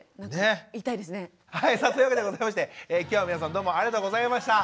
はいそういうわけでございまして今日は皆さんどうもありがとうございました。